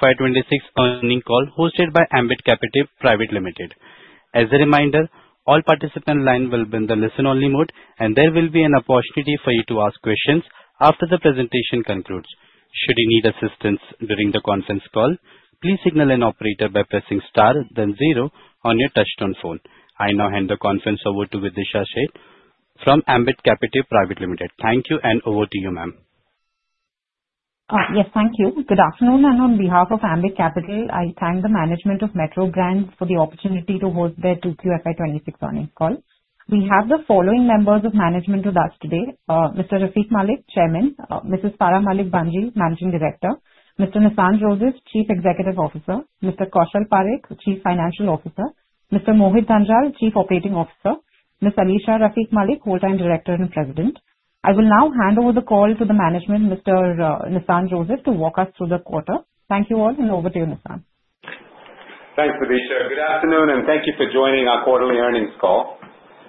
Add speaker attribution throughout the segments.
Speaker 1: FY 2026 earnings call hosted by Ambit Capital Private Limited. As a reminder, all participant lines will be in the listen-only mode. There will be an opportunity for you to ask questions after the presentation concludes. Should you need assistance during the conference call, please signal an operator by pressing star then 0 on your touchtone phone. I now hand the conference over to Videesha Sheth from Ambit Capital Private Limited. Thank you, over to you, ma'am.
Speaker 2: Yes, thank you. Good afternoon, and on behalf of Ambit Capital, I thank the management of Metro Brands for the opportunity to host their 2Q FY 2026 earnings call. We have the following members of management with us today. Mr. Rafique Malik, Chairman; Mrs. Farah Malik Bhanji, Managing Director; Mr. Nissan Joseph, Chief Executive Officer; Mr. Kaushal Parekh, Chief Financial Officer; Mr. Mohit Dhanjal, Chief Operating Officer; Ms. Alisha Rafique Malik, Whole-time Director and President. I will now hand over the call to the management, Mr. Nissan Joseph, to walk us through the quarter. Thank you all, over to you, Nissan.
Speaker 3: Thanks, Videesha. Good afternoon, thank you for joining our quarterly earnings call.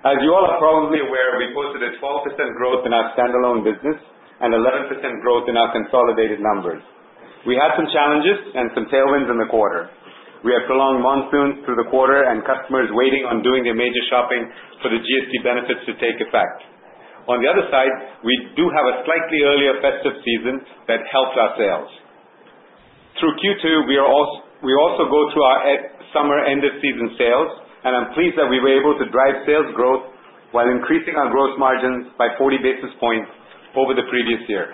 Speaker 3: As you all are probably aware, we posted a 12% growth in our standalone business and 11% growth in our consolidated numbers. We had some challenges and some tailwinds in the quarter. We had prolonged monsoons through the quarter. Customers waiting on doing their major shopping for the GST benefits to take effect. On the other side, we do have a slightly earlier festive season that helps our sales. Through Q2, we also go through our summer end of season sales. I am pleased that we were able to drive sales growth while increasing our gross margins by 40 basis points over the previous year.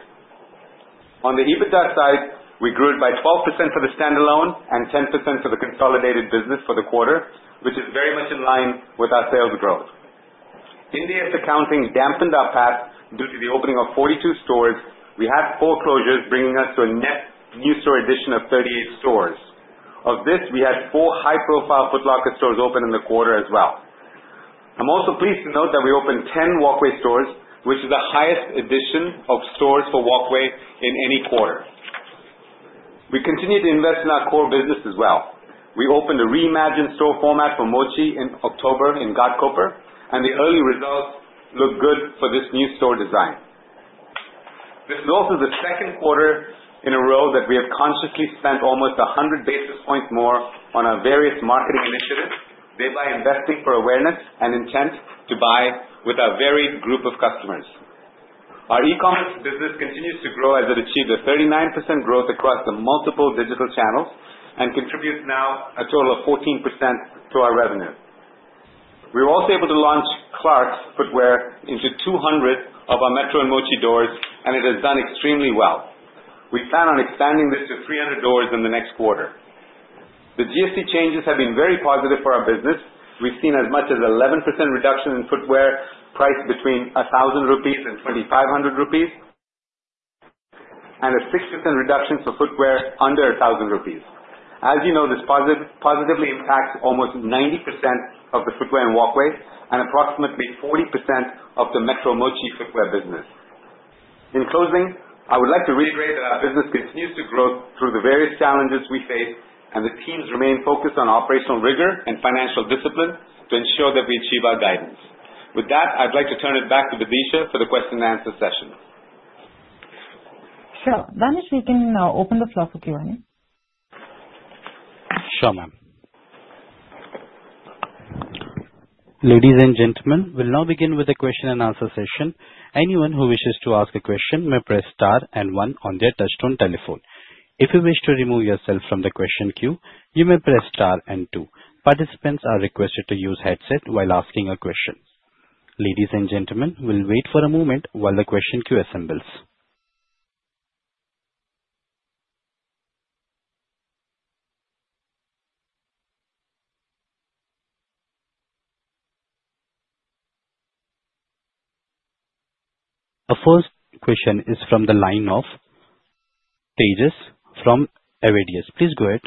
Speaker 3: On the EBITDA side, we grew it by 12% for the standalone and 10% for the consolidated business for the quarter, which is very much in line with our sales growth. Ind AS accounting dampened our PAT due to the opening of 42 stores. We had four closures bringing us to a net new store addition of 38 stores. Of this, we had four high-profile Foot Locker stores open in the quarter as well. I'm also pleased to note that we opened 10 Walkway stores, which is the highest addition of stores for Walkway in any quarter. We continue to invest in our core business as well. We opened a reimagined store format for Mochi in October in Ghatkopar. The early results look good for this new store design. This is also the second quarter in a row that we have consciously spent almost 100 basis points more on our various marketing initiatives, thereby investing for awareness and intent to buy with our varied group of customers. Our e-commerce business continues to grow as it achieved a 39% growth across the multiple digital channels and contributes now a total of 14% to our revenue. We were also able to launch Clarks footwear into 200 of our Metro and Mochi doors, and it has done extremely well. We plan on expanding this to 300 doors in the next quarter. The GST changes have been very positive for our business. We've seen as much as 11% reduction in footwear priced between 1,000-2,500 rupees, and a 6% reduction for footwear under 1,000 rupees. As you know, this positively impacts almost 90% of the footwear and Walkway and approximately 40% of the Metro Mochi footwear business. In closing, I would like to reiterate that our business continues to grow through the various challenges we face and the teams remain focused on operational rigor and financial discipline to ensure that we achieve our guidance. With that, I'd like to turn it back to Videesha for the question and answer session.
Speaker 2: Sure. Danish, we can now open the floor for Q&A.
Speaker 1: Sure, ma'am. Ladies and gentlemen, we'll now begin with the question and answer session. Anyone who wishes to ask a question may press star and one on their touchtone telephone. If you wish to remove yourself from the question queue, you may press star and two. Participants are requested to use headset while asking a question. Ladies and gentlemen, we'll wait for a moment while the question queue assembles. The first question is from the line of Tejas from Avendus. Please go ahead.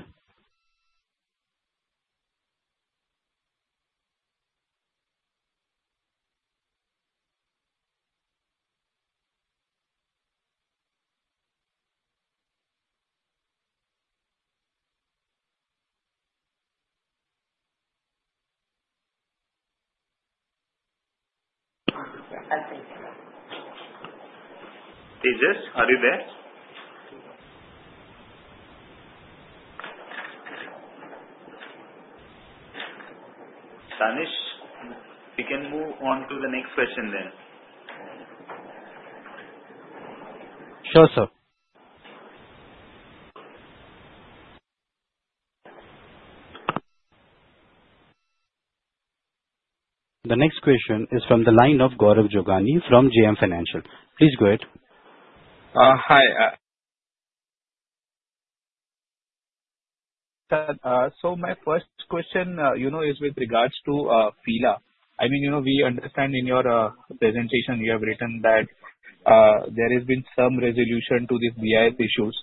Speaker 3: Yeah, I think Tejas, are you there? Danish, we can move on to the next question then.
Speaker 1: Sure, sir. The next question is from the line of Gaurav Jogani from JM Financial. Please go ahead.
Speaker 4: Hi. My first question is with regards to Fila. We understand in your presentation you have written that there has been some resolution to these BIS issues.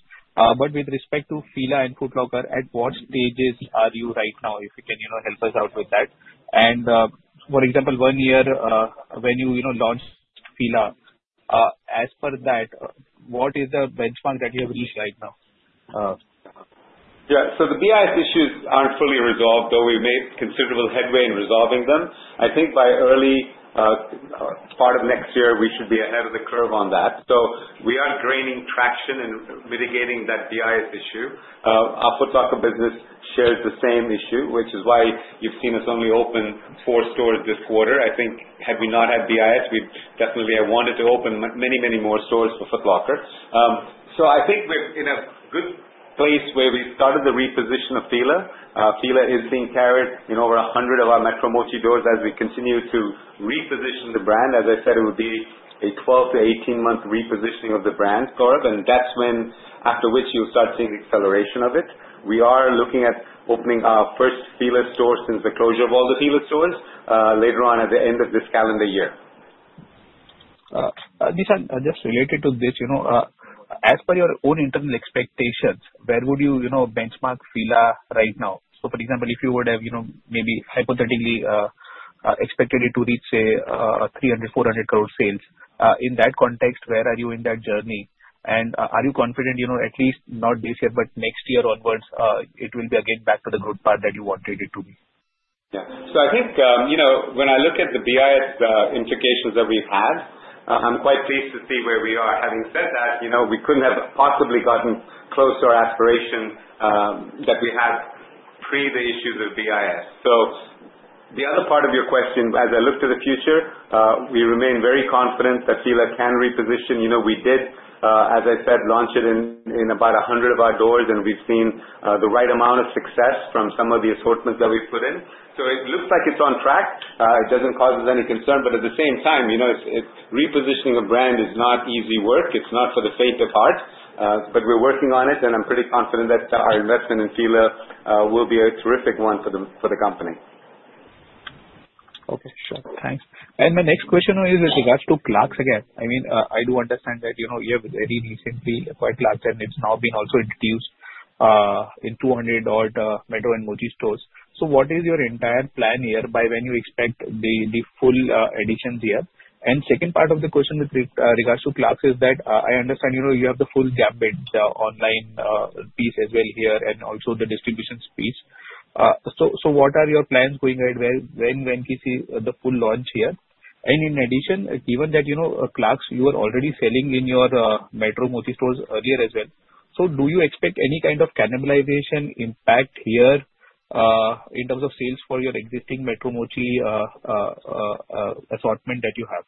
Speaker 4: With respect to Fila and Foot Locker, at what stages are you right now, if you can help us out with that. For example, one year when you launched Fila, as per that, what is the benchmark that you have reached right now?
Speaker 3: Yeah. The BIS issues aren't fully resolved, though we've made considerable headway in resolving them. I think by early part of next year, we should be ahead of the curve on that. We are gaining traction in mitigating that BIS issue. Our Foot Locker business shares the same issue, which is why you've seen us only open four stores this quarter. I think had we not had BIS, we definitely have wanted to open many more stores for Foot Locker. I think we're in a good place where we started the reposition of Fila. Fila is being carried in over 100 of our Metro Mochi stores as we continue to reposition the brand. As I said, it would be a 12 to 18 month repositioning of the brand, Gaurav, and that's when, after which you'll start seeing acceleration of it. We are looking at opening our first Fila store since the closure of all the Fila stores, later on at the end of this calendar year.
Speaker 4: Nissan, just related to this, as per your own internal expectations, where would you benchmark Fila right now? For example, if you would have maybe hypothetically, expected it to reach, say 300 crore, 400 crore sales. In that context, where are you in that journey? Are you confident, at least not this year, but next year onwards, it will be again back to the growth path that you wanted it to be?
Speaker 3: Yeah. I think, when I look at the BIS implications that we've had, I'm quite pleased to see where we are. Having said that, we couldn't have possibly gotten close to our aspiration that we had pre the issues of BIS. The other part of your question, as I look to the future, we remain very confident that Fila can reposition. We did, as I said, launch it in about 100 of our doors, and we've seen the right amount of success from some of the assortments that we've put in. It looks like it's on track. It doesn't cause us any concern, but at the same time, repositioning a brand is not easy work. It's not for the faint of heart. We're working on it, and I'm pretty confident that our investment in Fila will be a terrific one for the company.
Speaker 4: Okay, sure. Thanks. My next question is with regards to Clarks again. I do understand that you have very recently acquired Clarks, and it has now been also introduced in 200 odd Metro and Mochi stores. What is your entire plan here? By when you expect the full additions here? Second part of the question with regards to Clarks is that I understand, you have the full gambit, the online piece as well here, and also the distribution piece. What are your plans going ahead? When can you see the full launch here? In addition, given that Clarks, you were already selling in your Metro Mochi stores earlier as well. Do you expect any kind of cannibalization impact here, in terms of sales for your existing Metro Mochi assortment that you have?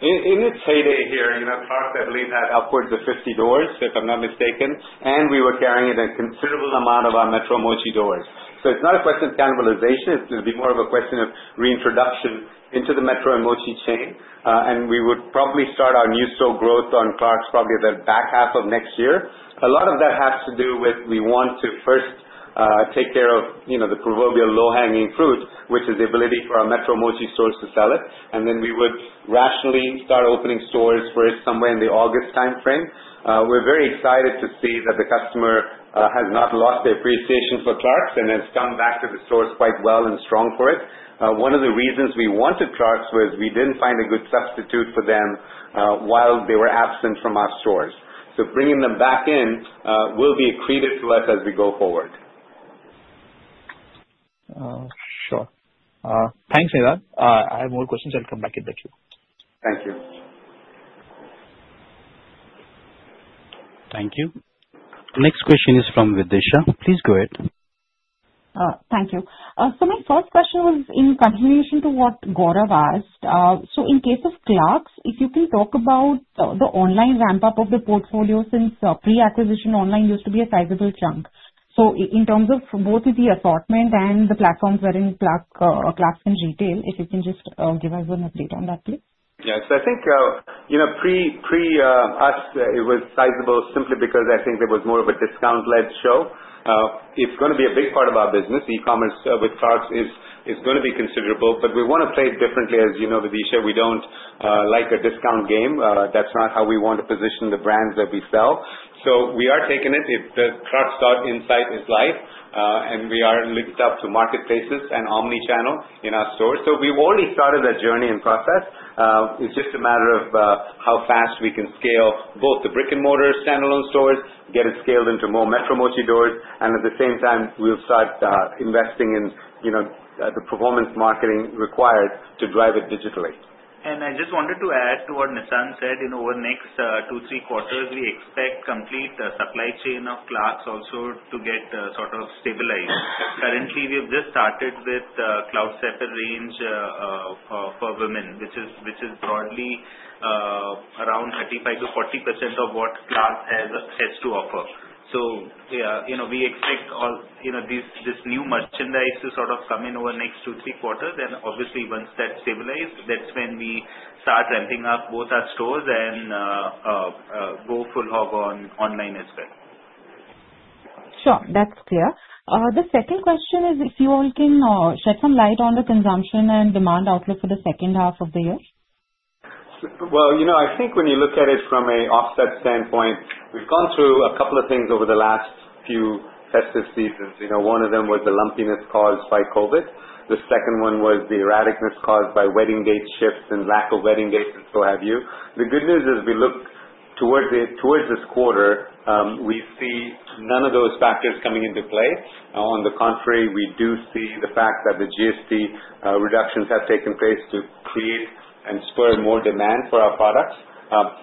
Speaker 3: In its heyday here, Clarks, I believe, had upwards of 50 doors, if I am not mistaken, and we were carrying it in a considerable amount of our Metro Mochi doors. It is not a question of cannibalization, it is going to be more of a question of reintroduction into the Metro and Mochi chain. We would probably start our new store growth on Clarks probably the back half of next year. A lot of that has to do with we want to first take care of the proverbial low-hanging fruit, which is the ability for our Metro Mochi stores to sell it. Then we would rationally start opening stores for it somewhere in the August timeframe. We are very excited to see that the customer has not lost their appreciation for Clarks and has come back to the stores quite well and strong for it. One of the reasons we wanted Clarks was we did not find a good substitute for them while they were absent from our stores. Bringing them back in will be accretive to us as we go forward.
Speaker 4: Sure. Thanks, Nissan. I have more questions. I will come back in the queue.
Speaker 3: Thank you.
Speaker 1: Thank you. Next question is from Videesha. Please go ahead.
Speaker 2: Thank you. My first question was in continuation to what Gaurav asked. In case of Clarks, if you can talk about the online ramp-up of the portfolio since pre-acquisition online used to be a sizable chunk. In terms of both the assortment and the platforms wherein Clarks can retail, if you can just give us an update on that, please.
Speaker 3: Yes. I think, pre us, it was sizable simply because I think it was more of a discount-led show. It's going to be a big part of our business. E-commerce with Clarks is going to be considerable. We want to play it differently, as you know, Videesha, we don't like the discount game. That's not how we want to position the brands that we sell. We are taking it. The clarks.in site is live. We are linked up to marketplaces and omnichannel in our stores. We've already started that journey and process. It's just a matter of how fast we can scale both the brick-and-mortar standalone stores, get it scaled into more Metro Mochi doors, and at the same time, we'll start investing in the performance marketing required to drive it digitally.
Speaker 5: I just wanted to add to what Nissan said. In over next two, three quarters, we expect complete supply chain of Clarks also to get sort of stabilized. Currently, we've just started with Cloudsteppers range for women, which is broadly around 35%-40% of what Clarks has to offer. We expect this new merchandise to sort of come in over next two, three quarters. Obviously once that's stabilized, that's when we start ramping up both our stores and go full hog on online as well.
Speaker 2: Sure. That's clear. The second question is if you all can shed some light on the consumption and demand outlook for the second half of the year.
Speaker 3: Well, I think when you look at it from a offset standpoint, we've gone through a couple of things over the last few festive seasons. One of them was the lumpiness caused by COVID. The second one was the erraticness caused by wedding date shifts and lack of wedding dates and so have you. The good news is we look towards this quarter, we see none of those factors coming into play. On the contrary, we do see the fact that the GST reductions have taken place to create and spur more demand for our products.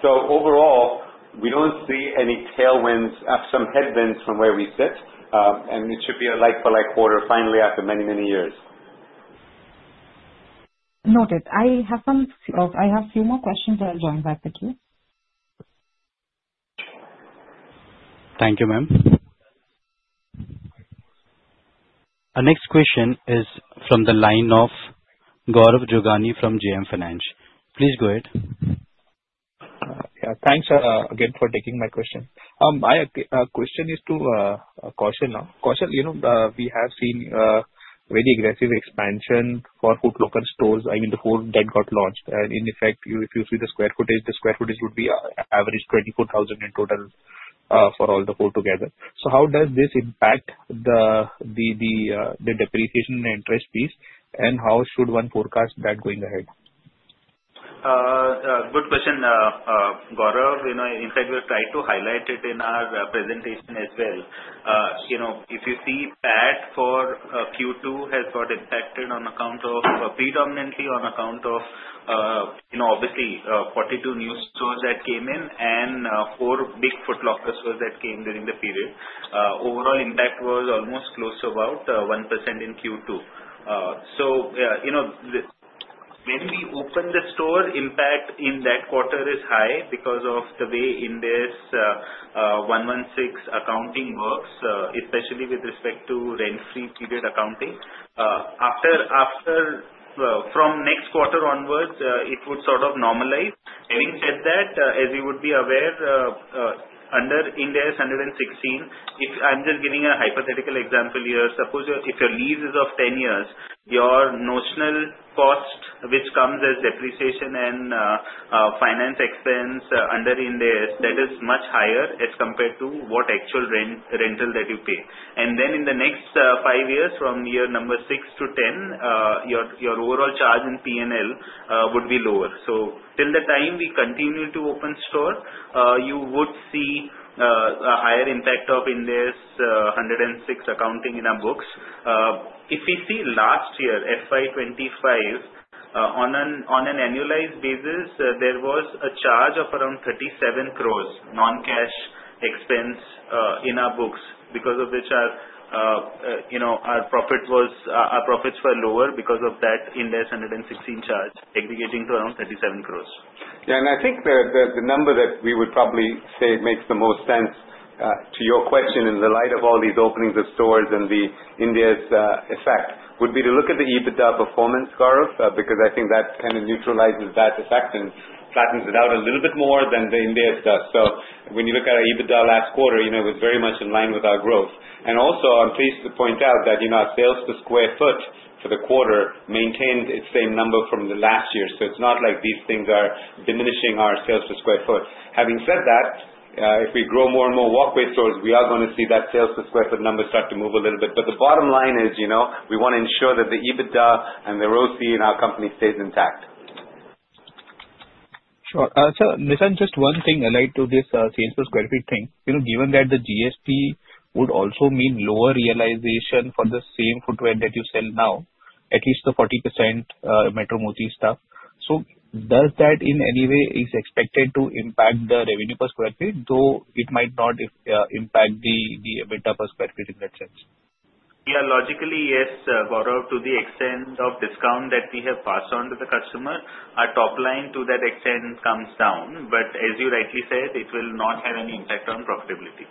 Speaker 3: Overall, we don't see any tailwinds. Some headwinds from where we sit, and it should be a like-for-like quarter finally, after many, many years.
Speaker 2: Noted. I have a few more questions and I'll join back with you.
Speaker 1: Thank you, ma'am. Our next question is from the line of Gaurav Jogani from JM Financial. Please go ahead.
Speaker 4: Thanks again for taking my question. My question is to Kaushal now. Kaushal, we have seen a very aggressive expansion for Foot Locker stores. I mean, the whole deck got launched. In effect, if you see the square footage, the square footage would be on average 24,000 in total for all the four together. How does this impact the depreciation and interest piece, and how should one forecast that going ahead?
Speaker 5: Good question, Gaurav. In fact, we have tried to highlight it in our presentation as well. If you see, PAT for Q2 has got impacted predominantly on account of, obviously, 42 new stores that came in and four big Foot Locker stores that came during the period. Overall impact was almost close to about 1% in Q2. When we open the store, impact in that quarter is high because of the way Ind AS 116 accounting works, especially with respect to rent-free period accounting. From next quarter onwards, it would sort of normalize. Having said that, as you would be aware, under Ind AS 116, I'm just giving a hypothetical example here. Suppose if your lease is of 10 years, your notional cost, which comes as depreciation and finance expense under Ind AS, that is much higher as compared to what actual rental that you pay. In the next five years, from year number six to 10, your overall charge in P&L would be lower. Till the time we continue to open store, you would see a higher impact of Ind AS 116 accounting in our books. If we see last year, FY 2025, on an annualized basis, there was a charge of around 37 crore non-cash expense in our books because of which our profits were lower because of that Ind AS 116 charge aggregating to around 37 crore.
Speaker 3: Yeah, I think the number that we would probably say makes the most sense to your question in the light of all these openings of stores and the Ind AS effect would be to look at the EBITDA performance, Gaurav, because I think that kind of neutralizes that effect and flattens it out a little bit more than the Ind AS does. When you look at our EBITDA last quarter, it was very much in line with our growth. Also, I'm pleased to point out that our sales per square foot for the quarter maintained its same number from the last year, so it's not like these things are diminishing our sales per square foot. Having said that, if we grow more and more Walkway stores, we are going to see that sales per square foot number start to move a little bit. The bottom line is, we want to ensure that the EBITDA and the ROC in our company stays intact.
Speaker 4: Sure. Nissan, just one thing allied to this sales per square feet thing. Given that the GST would also mean lower realization for the same footwear that you sell now, at least the 40% Metro Mochi stuff. Does that in any way is expected to impact the revenue per square feet, though it might not impact the EBITDA per square feet in that sense?
Speaker 5: Yeah, logically, yes, Gaurav, to the extent of discount that we have passed on to the customer, our top line to that extent comes down, as you rightly said, it will not have any impact on profitability.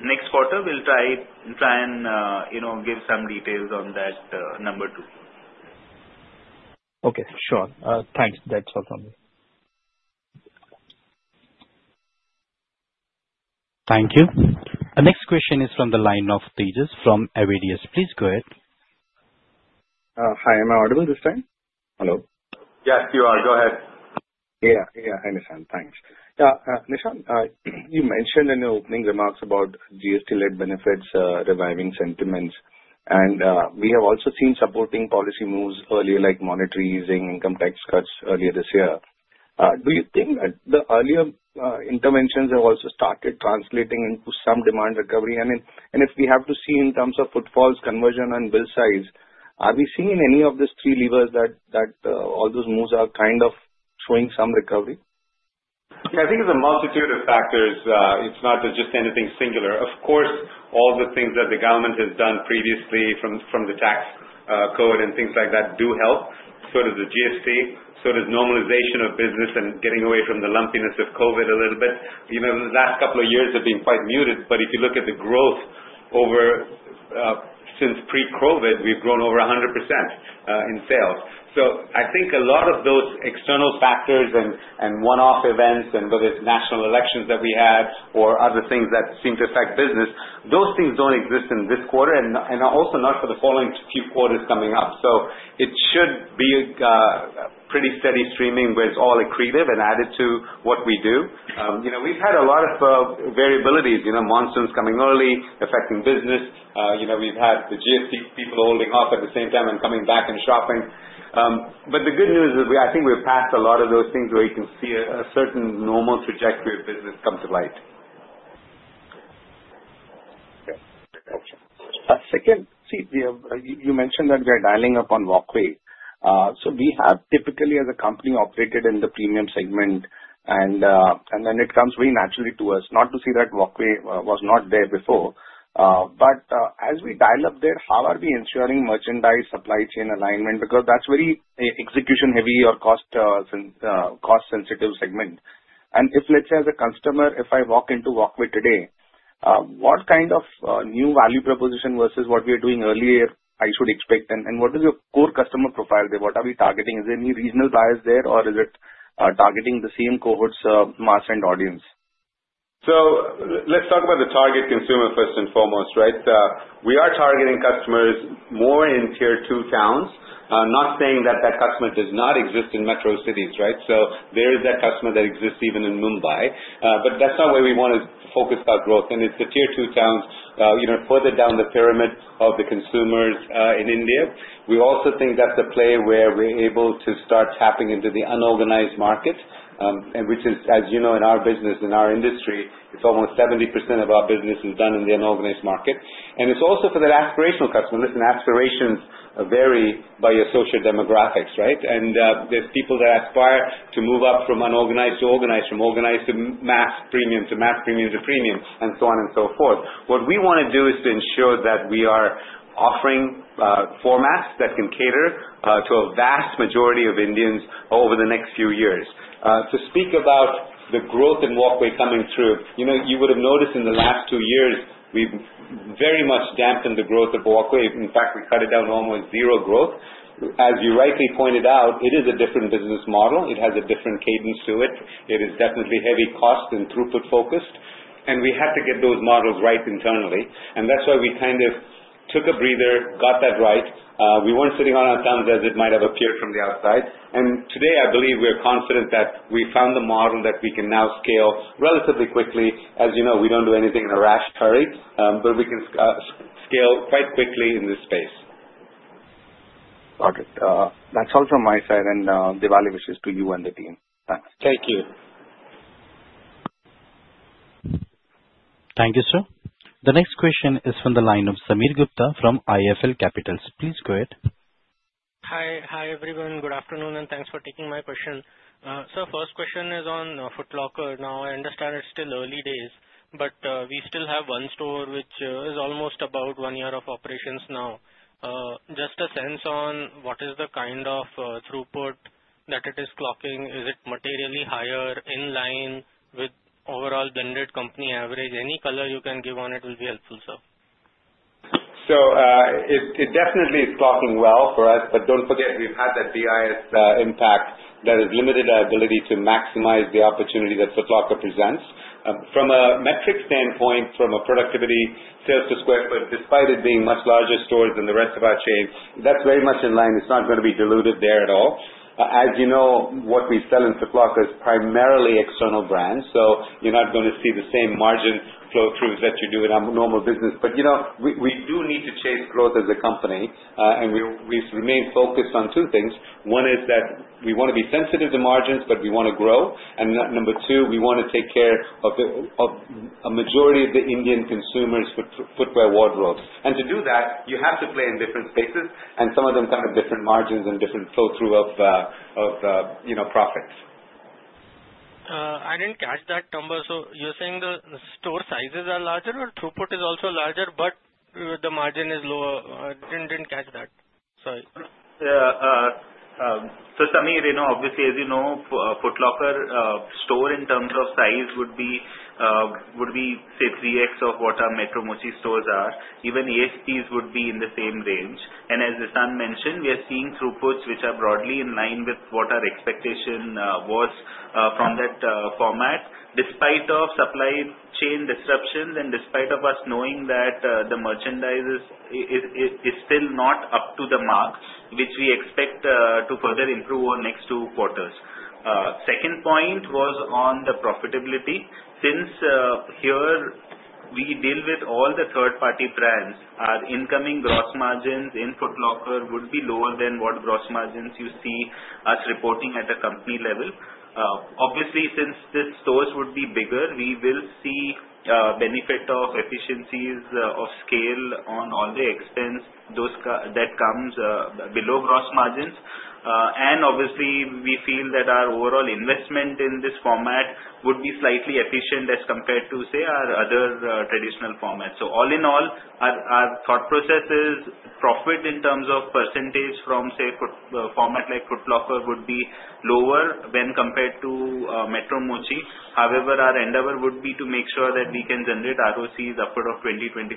Speaker 5: Next quarter, we'll try and give some details on that number too.
Speaker 4: Okay, sure. Thanks. That's all from me.
Speaker 1: Thank you. Our next question is from the line of Tejas from Avendus. Please go ahead.
Speaker 6: Hi, am I audible this time? Hello.
Speaker 3: Yes, you are. Go ahead.
Speaker 6: Yeah. Hi, Nissan. Thanks. Nissan, you mentioned in your opening remarks about GST-led benefits reviving sentiments. We have also seen supporting policy moves earlier, like monetary easing, income tax cuts earlier this year. Do you think that the earlier interventions have also started translating into some demand recovery? If we have to see in terms of footfalls, conversion, and bill size, are we seeing any of these three levers that all those moves are kind of showing some recovery?
Speaker 3: Yeah, I think it's a multitude of factors. It's not just anything singular. Of course, all the things that the government has done previously from the tax code and things like that do help. So does the GST, so does normalization of business and getting away from the lumpiness of COVID a little bit. The last couple of years have been quite muted, but if you look at the growth since pre-COVID, we've grown over 100% in sales. I think a lot of those external factors and one-off events and those national elections that we had or other things that seem to affect business, those things don't exist in this quarter, and also not for the following few quarters coming up. It should be pretty steady streaming, with all accretive and added to what we do. We've had a lot of variabilities, monsoons coming early affecting business. We've had the GST people holding off at the same time and coming back and shopping. The good news is, I think we're past a lot of those things where you can see a certain normal trajectory of business come to light.
Speaker 6: Okay. Got you. Second, you mentioned that we are dialing up on Walkway. We have typically, as a company, operated in the premium segment, and then it comes very naturally to us. Not to say that Walkway was not there before, but as we dial up there, how are we ensuring merchandise supply chain alignment? Because that's very execution heavy or cost-sensitive segment. If, let's say, as a customer, if I walk into Walkway today, what kind of new value proposition versus what we were doing earlier I should expect, and what is your core customer profile there? What are we targeting? Is there any regional bias there, or is it targeting the same cohorts of mass and audience?
Speaker 3: Let's talk about the target consumer first and foremost, right? We are targeting customers more in Tier 2 towns. Not saying that that customer does not exist in metro cities, right? There is that customer that exists even in Mumbai. That's not where we want to focus our growth, and it's the Tier 2 towns further down the pyramid of the consumers in India. We also think that's a play where we are able to start tapping into the unorganized market, and which is, as you know, in our business, in our industry, it's almost 70% of our business is done in the unorganized market. It's also for that aspirational customer. Listen, aspirations vary by your socio-demographics, right? There's people that aspire to move up from unorganized to organized, from organized to mass premium, to mass premium to premium, and so on and so forth. What we want to do is to ensure that we are offering formats that can cater to a vast majority of Indians over the next few years. To speak about the growth in Walkway coming through, you would have noticed in the last two years, we've very much dampened the growth of Walkway. In fact, we cut it down to almost zero growth. As you rightly pointed out, it is a different business model. It has a different cadence to it. It is definitely heavy cost and throughput-focused, and we had to get those models right internally, and that's why we kind of took a breather, got that right. We weren't sitting on our thumbs as it might have appeared from the outside. Today, I believe we're confident that we found the model that we can now scale relatively quickly. As you know, we don't do anything in a rash hurry, but we can scale quite quickly in this space.
Speaker 6: Okay. That's all from my side, and Diwali wishes to you and the team. Thanks.
Speaker 3: Thank you.
Speaker 1: Thank you, sir. The next question is from the line of Sameer Gupta from IIFL Capital. Please go ahead.
Speaker 7: Hi, everyone. Good afternoon, and thanks for taking my question. Sir, first question is on Foot Locker. I understand it's still early days, but, we still have one store, which is almost about one year of operations now. Just a sense on what is the kind of throughput that it is clocking. Is it materially higher, in line with overall blended company average? Any color you can give on it will be helpful, sir.
Speaker 3: It definitely is clocking well for us, but don't forget, we've had that BIS impact that has limited our ability to maximize the opportunity that Foot Locker presents. From a metric standpoint, from a productivity sales per square foot, despite it being much larger stores than the rest of our chain, that's very much in line. It's not going to be diluted there at all. As you know, what we sell in Foot Locker is primarily external brands, so you're not going to see the same margin flow-throughs that you do in our normal business. We do need to chase growth as a company, and we've remained focused on two things. One is that we want to be sensitive to margins, but we want to grow. Number two, we want to take care of a majority of the Indian consumers' footwear wardrobes. To do that, you have to play in different spaces, and some of them come with different margins and different flow-through of profits.
Speaker 7: I didn't catch that number. You're saying the store sizes are larger or throughput is also larger, but the margin is lower? I didn't catch that, sorry.
Speaker 5: Sameer, obviously, as you know, Foot Locker store in terms of size would be, say, 3x of what our Metro Mochi stores are. Even ASPs would be in the same range. As Nissan mentioned, we are seeing throughputs which are broadly in line with what our expectation was from that format, despite of supply chain disruptions and despite of us knowing that the merchandise is still not up to the mark, which we expect to further improve over next two quarters. Second point was on the profitability. Since here we deal with all the third-party brands, our incoming gross margins in Foot Locker would be lower than what gross margins you see us reporting at a company level. Obviously, since these stores would be bigger, we will see benefit of efficiencies of scale on all the expense that comes below gross margins. Obviously, we feel that our overall investment in this format would be slightly efficient as compared to, say, our other traditional formats. All in all, our thought process is profit in terms of percentage from, say, format like Foot Locker would be lower when compared to Metro Mochi. However, our endeavor would be to make sure that we can generate ROCs upward of 20%-25%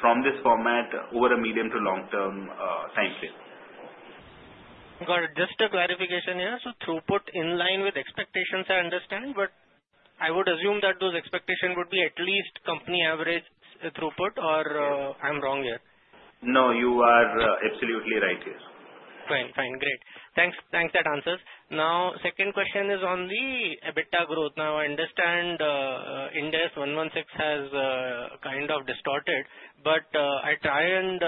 Speaker 5: from this format over a medium to long-term time scale.
Speaker 7: Got it. Just a clarification here. Throughput in line with expectations, I understand, but I would assume that those expectations would be at least company average throughput, or I'm wrong here?
Speaker 5: No, you are absolutely right here.
Speaker 7: Fine. Great. Thanks. That answers. Second question is on the EBITDA growth. I understand Ind AS 116 has kind of distorted, but I try and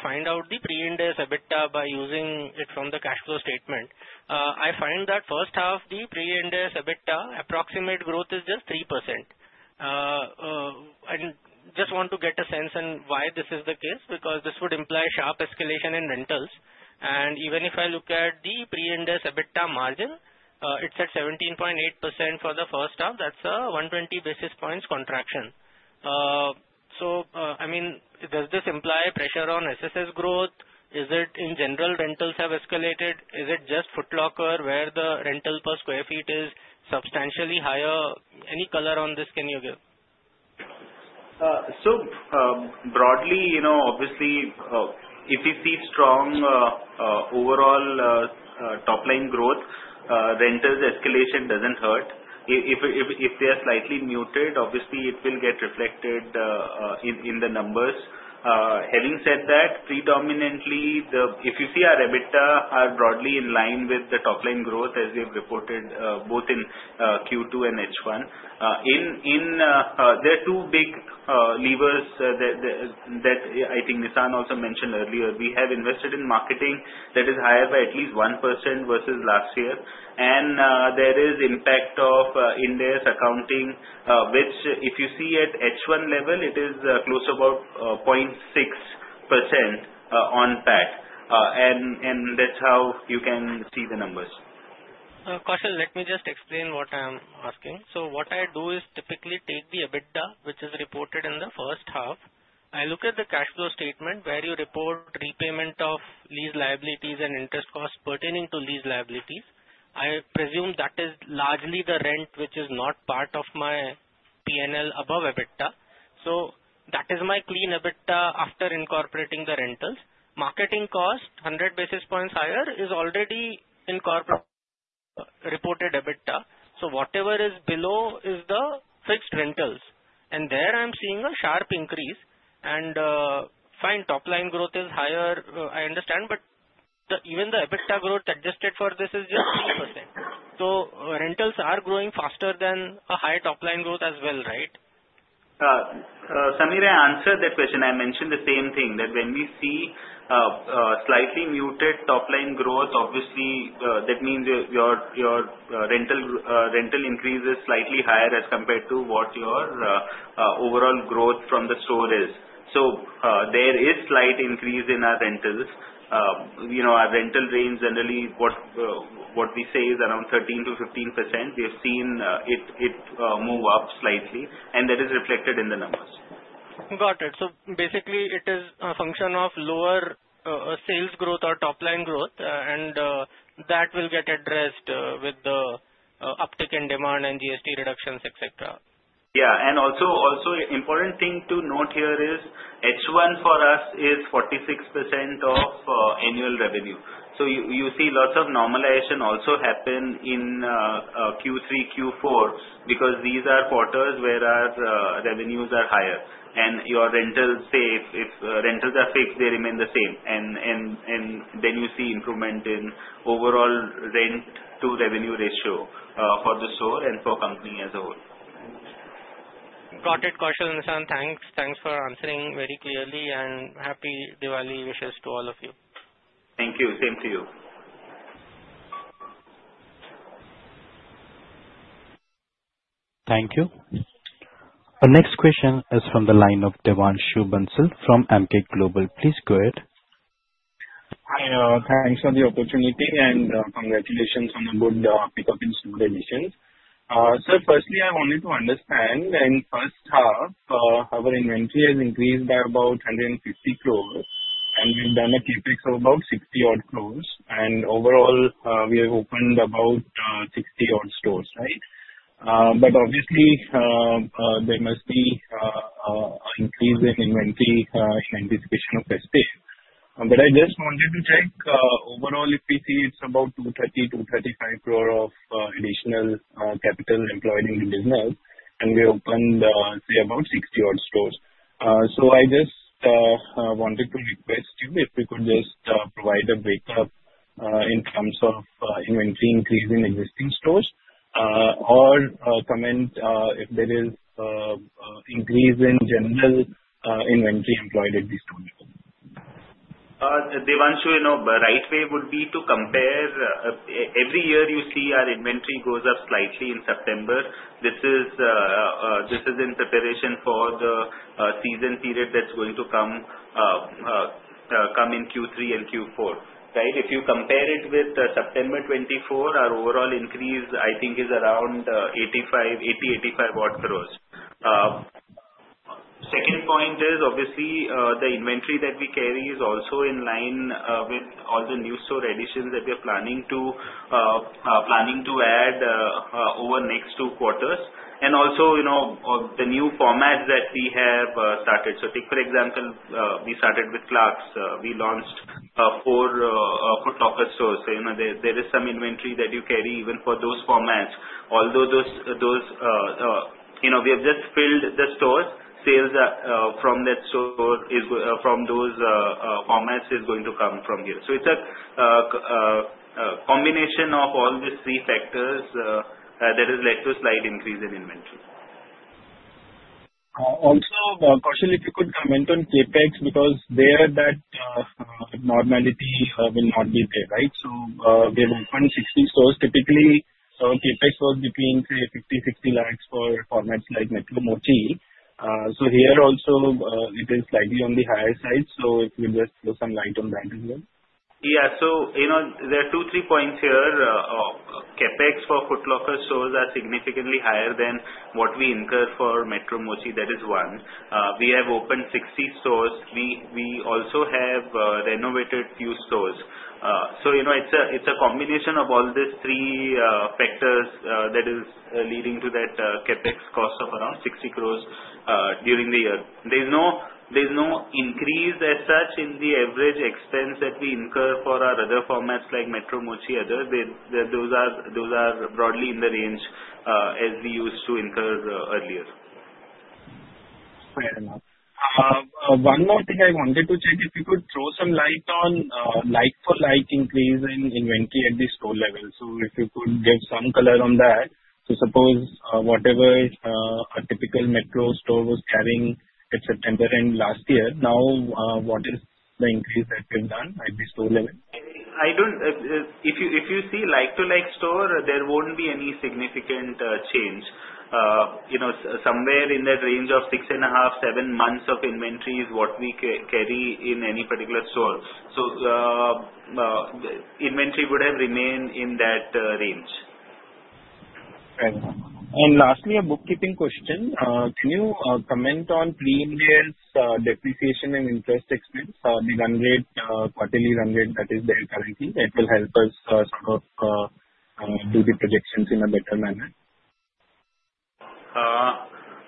Speaker 7: find out the pre-Ind AS EBITDA by using it from the cash flow statement. I find that first half the pre-Ind AS EBITDA approximate growth is just 3%. Even if I look at the pre-Ind AS EBITDA margin, it's at 17.8% for the first half. That's a 120 basis points contraction. Does this imply pressure on SSG growth? Is it in general rentals have escalated? Is it just Foot Locker where the rental per sq ft is substantially higher? Any color on this can you give?
Speaker 5: Broadly, obviously, if you see strong overall top-line growth, rentals escalation doesn't hurt. If they are slightly muted, obviously it will get reflected in the numbers. Having said that, predominantly, if you see our EBITDA are broadly in line with the top-line growth as we have reported both in Q2 and H1. There are two big levers that I think Nissan also mentioned earlier. We have invested in marketing that is higher by at least 1% versus last year. There is impact of Ind AS accounting, which if you see at H1 level, it is close about 0.6% on PAT. That's how you can see the numbers.
Speaker 7: Kaushal, let me just explain what I'm asking. What I do is typically take the EBITDA, which is reported in the first half. I look at the cash flow statement where you report repayment of lease liabilities and interest costs pertaining to lease liabilities. I presume that is largely the rent, which is not part of my P&L above EBITDA. That is my clean EBITDA after incorporating the rentals. Marketing cost 100 basis points higher is already in corporate reported EBITDA. Whatever is below is the fixed rentals. There I'm seeing a sharp increase and fine top-line growth is higher, I understand, but even the EBITDA growth adjusted for this is just 3%. Rentals are growing faster than a high top-line growth as well, right?
Speaker 5: Sameer, I answered that question. I mentioned the same thing that when we see slightly muted top-line growth, obviously, that means your rental increase is slightly higher as compared to what your overall growth from the store is. There is slight increase in our rentals. Our rental range generally what we say is around 13%-15%. We have seen it move up slightly, and that is reflected in the numbers.
Speaker 7: Got it. Basically it is a function of lower sales growth or top-line growth, and that will get addressed with the uptick in demand and GST reductions, et cetera.
Speaker 5: Also important thing to note here is H1 for us is 46% of annual revenue. You see lots of normalization also happen in Q3, Q4 because these are quarters where our revenues are higher and your rentals, say if rentals are fixed they remain the same and then you see improvement in overall rent to revenue ratio for the store and for company as a whole.
Speaker 7: Got it, Kaushal and Nissan. Thanks for answering very clearly and happy Diwali wishes to all of you.
Speaker 5: Thank you. Same to you.
Speaker 1: Thank you. Our next question is from the line of Devanshu Bansal from Emkay Global. Please go ahead.
Speaker 8: Hi. Thanks for the opportunity and congratulations on the good pick up in store additions. Firstly, I wanted to understand in first half, our inventory has increased by about 150 crore and we've done a CapEx of about 60 crore and overall, we have opened about 60 stores. Obviously, there must be increase in inventory in anticipation of festive season. I just wanted to check overall if we see it's about 230 crore-235 crore of additional capital employed in the business and we opened, say about 60 stores. I just wanted to request you if you could just provide a breakup in terms of inventory increase in existing stores or comment if there is increase in general inventory employed at the store level.
Speaker 5: Devanshu, the right way would be to compare. Every year you see our inventory goes up slightly in September. This is in preparation for the season period that's going to come in Q3 and Q4. If you compare it with September 2024, our overall increase I think is around 80-85 odd crore. Second point is obviously the inventory that we carry is also in line with all the new store additions that we are planning to add over next two quarters and also the new format that we have started. Take for example, we started with Clarks, we launched four Foot Locker stores. There is some inventory that you carry even for those formats. Although we have just filled the stores, sales from those formats is going to come from here. It's a combination of all these three factors that has led to a slight increase in inventory.
Speaker 8: Also, Kaushal, if you could comment on CapEx, because there that normality will not be there, right? We have opened 60 stores, typically our CapEx was between 50-60 lakh for formats like Metro Mochi. Here also, it is slightly on the higher side. If you just throw some light on that as well.
Speaker 5: Yeah. There are two, three points here. CapEx for Foot Locker stores are significantly higher than what we incur for Metro Mochi. That is one. We have opened 60 stores. We also have renovated a few stores. It's a combination of all these three factors that is leading to that CapEx cost of around 60 crore during the year. There's no increase as such in the average expense that we incur for our other formats like Metro Mochi, others. Those are broadly in the range as we used to incur earlier.
Speaker 8: Fair enough. One more thing I wanted to check, if you could throw some light on like-for-like increase in inventory at the store level. If you could give some color on that. Suppose whatever a typical Metro store was carrying at September end last year, now what is the increase that you've done at the store level?
Speaker 5: If you see like-to-like store, there won't be any significant change. Somewhere in that range of six and a half, seven months of inventory is what we carry in any particular store. The inventory would have remained in that range.
Speaker 8: Fair enough. Lastly, a bookkeeping question. Can you comment on Pre-Ind AS depreciation and interest expense? The run rate, quarterly run rate that is there currently, that will help us do the projections in a better manner.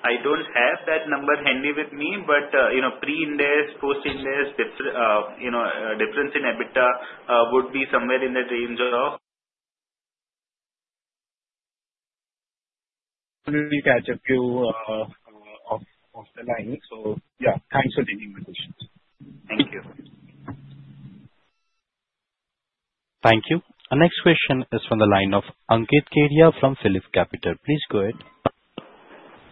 Speaker 5: I don't have that number handy with me, Pre-Ind AS, Post-Ind AS, difference in EBITDA would be somewhere in the range of
Speaker 8: Let me catch up to you off the line. Thanks for taking my questions.
Speaker 5: Thank you.
Speaker 1: Thank you. Our next question is from the line of Ankit Kedia from PhillipCapital. Please go ahead.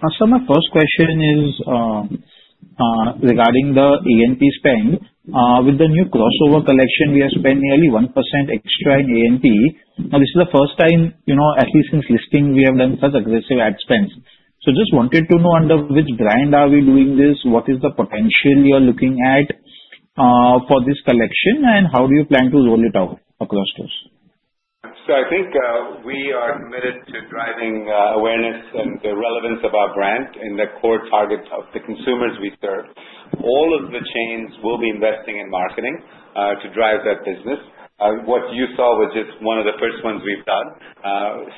Speaker 9: My first question is regarding the A&P spend. With the new crossover collection, we have spent nearly 1% extra in A&P. This is the first time, at least since listing, we have done such aggressive ad spends. Just wanted to know under which brand are we doing this, what is the potential you're looking at for this collection, and how do you plan to roll it out across stores?
Speaker 3: I think we are committed to driving awareness and the relevance of our brand in the core targets of the consumers we serve. All of the chains will be investing in marketing to drive that business. What you saw was just one of the first ones we've done.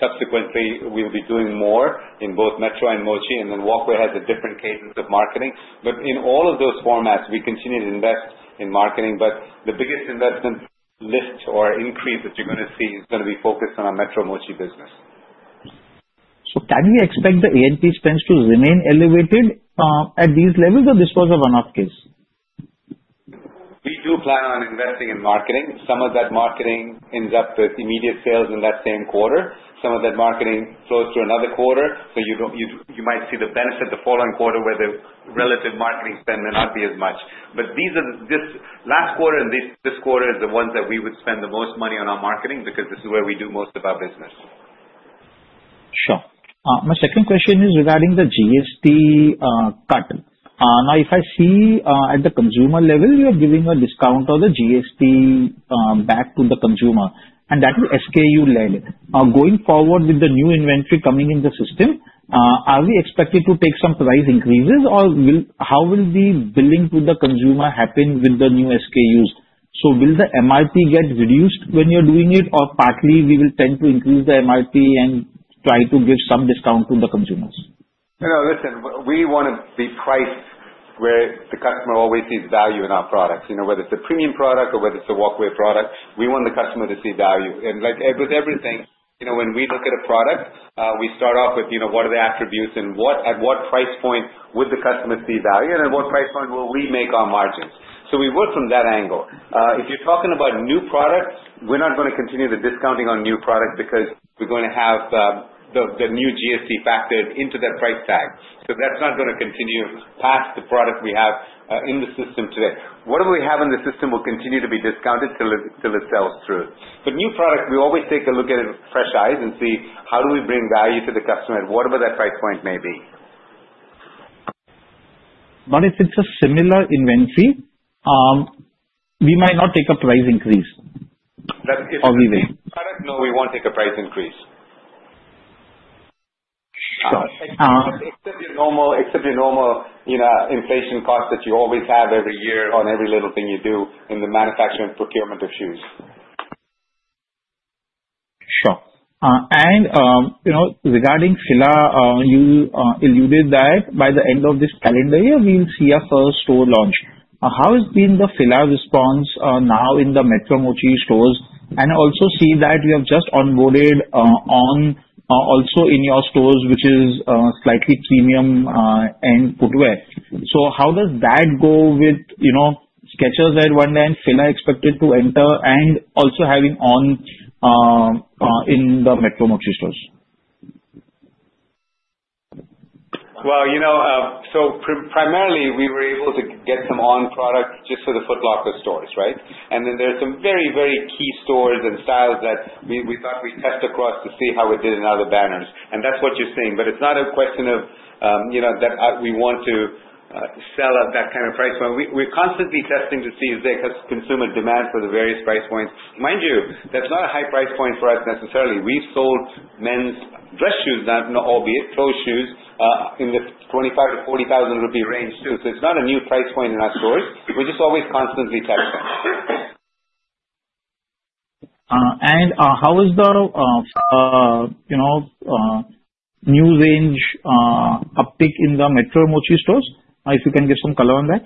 Speaker 3: Subsequently, we'll be doing more in both Metro and Mochi. Walkway has a different cadence of marketing. In all of those formats, we continue to invest in marketing. The biggest investment lift or increase that you're going to see is going to be focused on our Metro Mochi business.
Speaker 9: Can we expect the A&P spends to remain elevated at these levels, or this was a one-off case?
Speaker 3: We do plan on investing in marketing. Some of that marketing ends up with immediate sales in that same quarter. Some of that marketing flows through another quarter. You might see the benefit the following quarter where the relative marketing spend may not be as much. Last quarter and this quarter is the ones that we would spend the most money on our marketing because this is where we do most of our business.
Speaker 9: Sure. My second question is regarding the GST cut. If I see at the consumer level, you're giving a discount on the GST back to the consumer, and that is SKU-led. Going forward with the new inventory coming in the system, are we expected to take some price increases, or how will the billing to the consumer happen with the new SKUs? Will the MRP get reduced when you're doing it, or partly we will tend to increase the MRP and try to give some discount to the consumers?
Speaker 5: No, listen, we want to be priced where the customer always sees value in our products. Whether it's a premium product or whether it's a Walkway product, we want the customer to see value. Like with everything, when we look at a product, we start off with what are the attributes and at what price point would the customer see value, and at what price point will we make our margins. We work from that angle. If you're talking about new products, we're not going to continue the discounting on new products because we're going to have the new GST factored into that price tag. That's not going to continue past the product we have in the system today. Whatever we have in the system will continue to be discounted till it sells through. For new products, we always take a look at it with fresh eyes and see how do we bring value to the customer at whatever that price point may be.
Speaker 9: If it's a similar inventory, we might not take a price increase. We will?
Speaker 5: If it's the same product, no, we won't take a price increase.
Speaker 9: Sure.
Speaker 5: Except your normal inflation cost that you always have every year on every little thing you do in the manufacturing and procurement of shoes.
Speaker 9: Sure. Regarding Fila, you alluded that by the end of this calendar year, we'll see a first store launch. How has been the Fila response now in the Metro Mochi stores? I also see that you have just onboarded On also in your stores, which is slightly premium end footwear. How does that go with Skechers at one end, Fila expected to enter, and also having On in the Metro Mochi stores.
Speaker 3: Primarily, we were able to get some On products just for the Foot Locker stores, right? Then there's some very, very key stores and styles that we thought we'd test across to see how we did in other banners. That's what you're seeing. It's not a question of that we want to sell at that kind of price point. We're constantly testing to see if there's consumer demand for the various price points. Mind you, that's not a high price point for us necessarily. We've sold men's dress shoes, not albeit, closed shoes, in the 25,000-40,000 rupee range too. It's not a new price point in our stores. We're just always constantly testing.
Speaker 9: How is the new range uptick in the Metro Mochi stores? If you can give some color on that.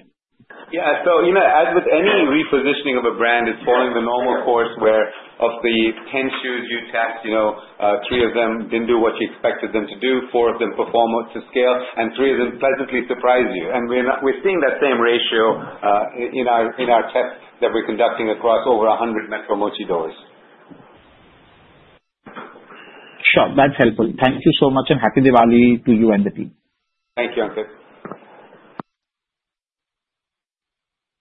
Speaker 3: Yeah. As with any repositioning of a brand, it's following the normal course where of the 10 shoes you test, three of them didn't do what you expected them to do, four of them perform up to scale, and three of them pleasantly surprise you. We're seeing that same ratio in our tests that we're conducting across over 100 Metro Mochi stores.
Speaker 9: Sure. That's helpful. Thank you so much, and happy Diwali to you and the team.
Speaker 3: Thank you, Ankit.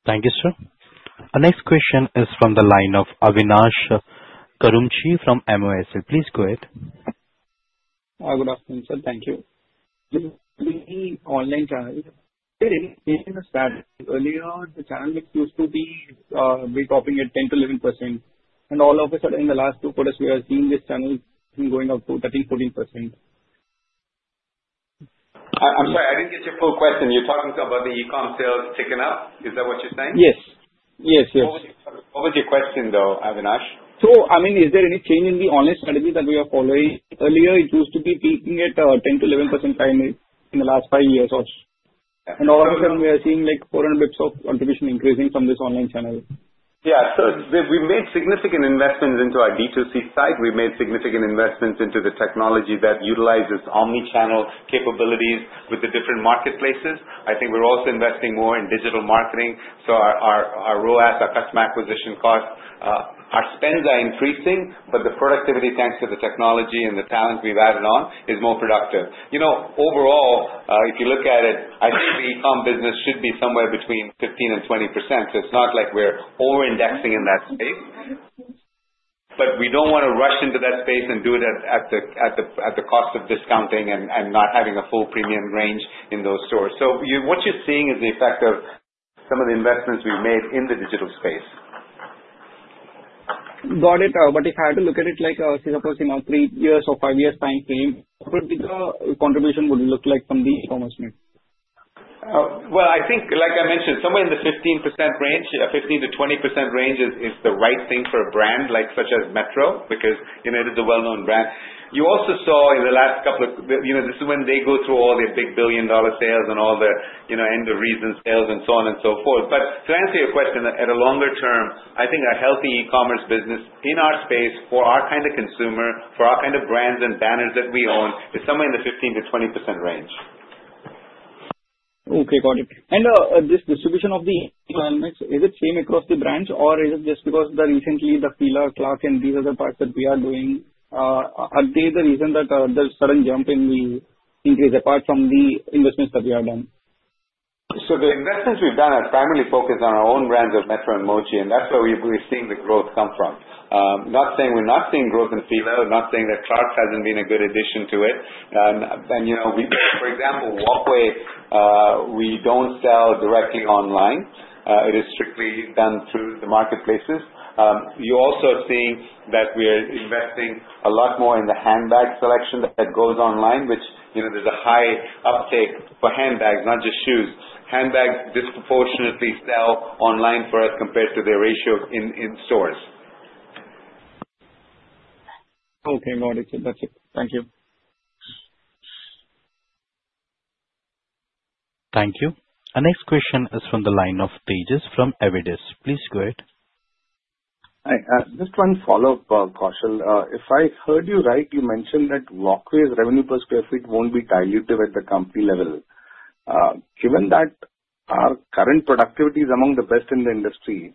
Speaker 1: Thank you, sir. Our next question is from the line of Avinash Karumanchi from MOSL. Please go ahead.
Speaker 10: Good afternoon, sir. Thank you. In the online channel, is there any change in the status? Earlier, the channel used to be topping at 10%-11%, and all of a sudden, in the last two quarters, we are seeing this channel going up to 13%-14%.
Speaker 3: I'm sorry, I didn't get your full question. You're talking about the e-com sales ticking up? Is that what you're saying?
Speaker 10: Yes.
Speaker 3: What was your question, though, Avinash?
Speaker 10: Is there any change in the online strategy that we are following? Earlier it used to be peaking at 10%-11% annually in the last five years or so. All of a sudden we are seeing foreign bits of contribution increasing from this online channel.
Speaker 3: We've made significant investments into our D2C site. We've made significant investments into the technology that utilizes omnichannel capabilities with the different marketplaces. I think we're also investing more in digital marketing. Our ROAS, our customer acquisition cost, our spends are increasing, but the productivity, thanks to the technology and the talent we've added on, is more productive. Overall, if you look at it, I think the e-com business should be somewhere between 15%-20%. It's not like we're over-indexing in that space. We don't want to rush into that space and do it at the cost of discounting and not having a full premium range in those stores. What you're seeing is the effect of some of the investments we've made in the digital space.
Speaker 10: Got it. If I had to look at it like a three years or five years time frame, what the contribution would look like from the e-commerce mix?
Speaker 3: Well, I think, like I mentioned, somewhere in the 15% range, 15%-20% range is the right thing for a brand like such as Metro, because it is a well-known brand. You also saw in the last couple of This is when they go through all these big billion-dollar sales and all their End of Reason Sales and so on and so forth. To answer your question, at a longer term, I think a healthy e-commerce business in our space for our kind of consumer, for our kind of brands and banners that we own, is somewhere in the 15%-20% range.
Speaker 10: Okay, got it. This distribution of the e-commerce, is it same across the brands or is it just because recently the Fila, Clarks and these other parts that we are doing, are they the reason that there's sudden jump in the increase apart from the investments that we have done?
Speaker 3: The investments we've done are primarily focused on our own brands of Metro and Mochi, and that's where we've seen the growth come from. Not saying we're not seeing growth in Fila, not saying that Clarks hasn't been a good addition to it. For example, Walkway, we don't sell directly online. It is strictly done through the marketplaces. You also have seen that we are investing a lot more in the handbag selection that goes online, which there's a high uptake for handbags, not just shoes. Handbags disproportionately sell online for us compared to their ratio in stores.
Speaker 10: Okay, got it. That's it. Thank you.
Speaker 1: Thank you. Our next question is from the line of Tejas from Avendus. Please go ahead.
Speaker 6: Hi. Just one follow-up, Kaushal. If I heard you right, you mentioned that Walkway's revenue per sq ft won't be dilutive at the company level. Given that our current productivity is among the best in the industry,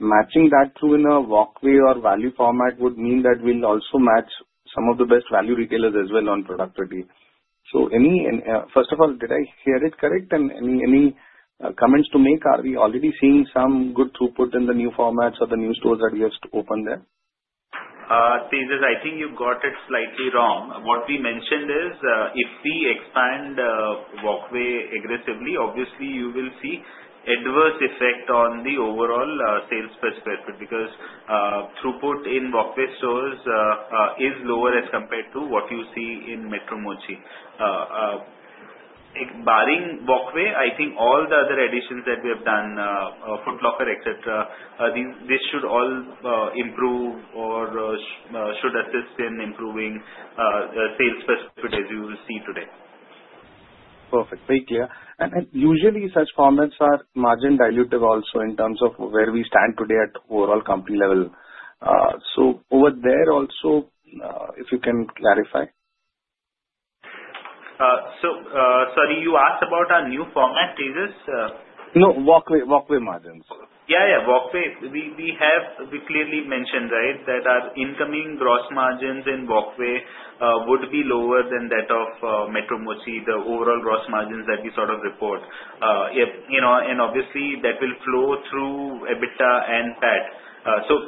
Speaker 6: matching that through in a Walkway or value format would mean that we'll also match some of the best value retailers as well on productivity. First of all, did I hear it correct? And any comments to make? Are we already seeing some good throughput in the new formats or the new stores that we have opened there?
Speaker 3: Tejas, I think you've got it slightly wrong. What we mentioned is, if we expand Walkway aggressively, obviously you will see adverse effect on the overall sales per square foot because throughput in Walkway stores is lower as compared to what you see in Metro Mochi. Barring Walkway, I think all the other additions that we have done, Foot Locker, et cetera, this should all improve or should assist in improving sales per square foot as you will see today.
Speaker 6: Perfect. Very clear. Usually such formats are margin dilutive also in terms of where we stand today at overall company level. Over there also, if you can clarify.
Speaker 5: Sorry, you asked about our new format, Tejas?
Speaker 6: No, Walkway margins.
Speaker 5: Walkway. We clearly mentioned, right. That our incoming gross margins in Walkway would be lower than that of Metro Mochi, the overall gross margins that we sort of report. Obviously that will flow through EBITDA and PAT.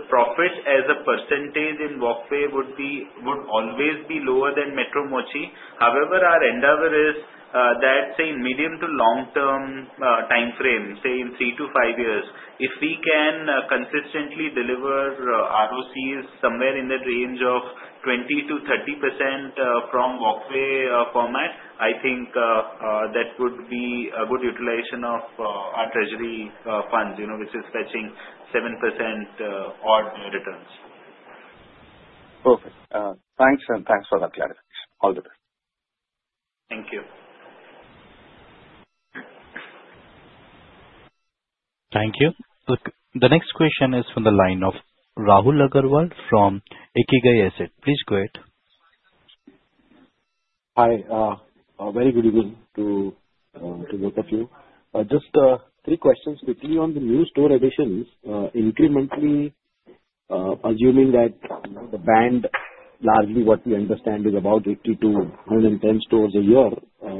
Speaker 5: Profit as a percentage in Walkway would always be lower than Metro Mochi. However, our endeavor is that, say, in medium to long-term timeframe, say in three to five years, if we can consistently deliver ROCs somewhere in the range of 20%-30% from Walkway format, I think that would be a good utilization of our treasury funds, which is fetching 7% odd returns.
Speaker 6: Perfect. Thanks for the clarification. All the best.
Speaker 5: Thank you.
Speaker 1: Thank you. The next question is from the line of Rahul Agarwal from Ikigai Asset. Please go ahead.
Speaker 11: Hi. A very good evening to both of you. Just three questions quickly on the new store additions. Incrementally, assuming that the band, largely what we understand is about 80-110 stores a year,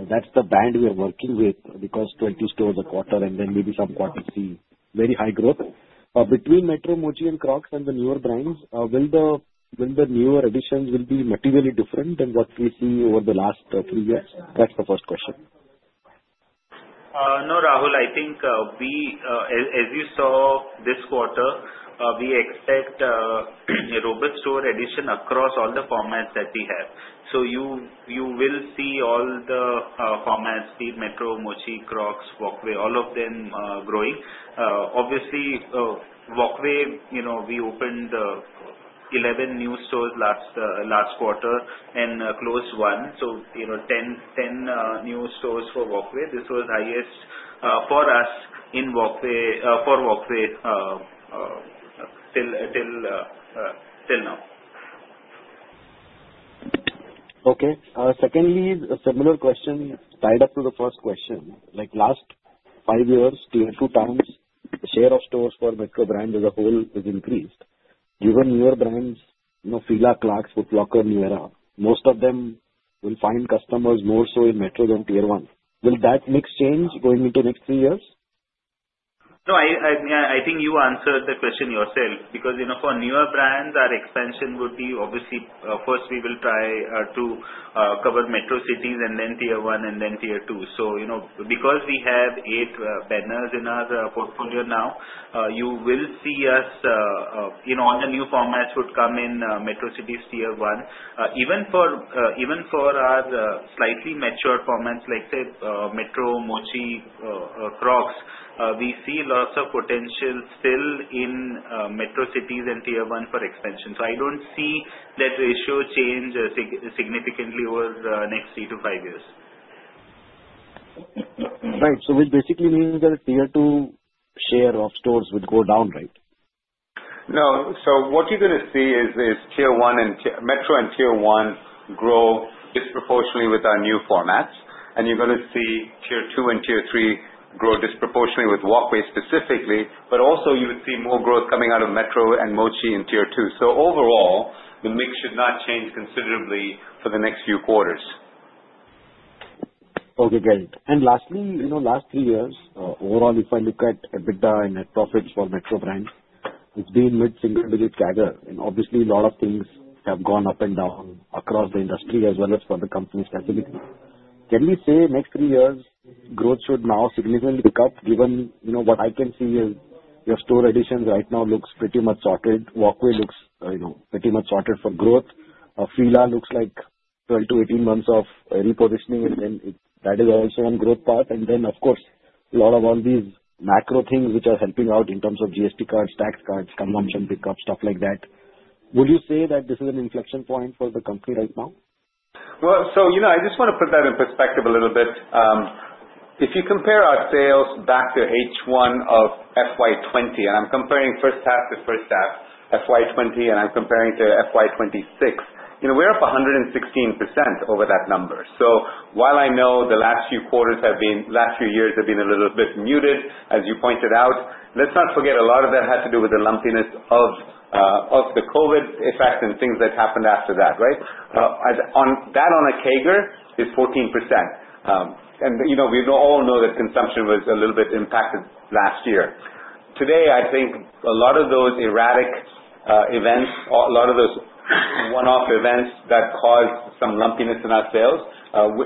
Speaker 11: that's the band we are working with, because 20 stores a quarter and then maybe some quarters see very high growth. Between Metro Mochi and Crocs and the newer brands, will the newer additions will be materially different than what we see over the last three years? That's the first question.
Speaker 5: No, Rahul, I think as you saw this quarter, we expect a robust store addition across all the formats that we have. You will see all the formats, be it Metro, Mochi, Crocs, Walkway, all of them growing. Obviously, Walkway, we opened 11 new stores last quarter and closed one. 10 new stores for Walkway. This was highest for us for Walkway till now.
Speaker 11: Okay. Secondly, a similar question tied up to the first question. Like last five years, tier 2 towns, share of stores for Metro Brands as a whole has increased. Even newer brands, Fila, Clarks, Foot Locker, most of them will find customers more so in Metro than tier 1. Will that mix change going into next three years?
Speaker 5: No, I think you answered the question yourself, because for newer brands, our expansion would be obviously, first we will try to cover metro cities and then tier 1 and then tier 2. Because we have eight banners in our portfolio now, you will see us on the new formats would come in metro cities, tier 1. Even for our slightly mature formats like, say, Metro, Mochi, Crocs, we see lots of potential still in metro cities and tier 1 for expansion. I don't see that ratio change significantly over the next three to five years.
Speaker 11: Right. Which basically means that tier 2 share of stores would go down, right?
Speaker 5: No. What you're going to see is Metro and tier 1 grow disproportionately with our new formats, and you're going to see tier 2 and tier 3 grow disproportionately with Walkway specifically, but also you would see more growth coming out of Metro and Mochi in tier 2. Overall, the mix should not change considerably for the next few quarters.
Speaker 11: Okay, great. Lastly, last three years, overall, if I look at EBITDA and net profits for Metro Brands, it's been mid-single digit CAGR, obviously a lot of things have gone up and down across the industry as well as for the company specifically. Can we say next three years growth should now significantly pick up given what I can see is your store additions right now looks pretty much sorted. Walkway looks pretty much sorted for growth. Fila looks like 12-18 months of repositioning, and then that is also on growth path. Then of course, lot of all these macro things which are helping out in terms of GST cuts, tax cuts, consumption pick up, stuff like that. Would you say that this is an inflection point for the company right now?
Speaker 3: Well, I just want to put that in perspective a little bit. If you compare our sales back to H1 of FY 2020, I'm comparing first half to first half FY 2020, and I'm comparing to FY 2026, we're up 116% over that number. While I know the last few years have been a little bit muted, as you pointed out, let's not forget a lot of that had to do with the lumpiness of the COVID effect and things that happened after that, right? That on a CAGR is 14%. We all know that consumption was a little bit impacted last year. Today, I think a lot of those erratic events, a lot of those one-off events that caused some lumpiness in our sales,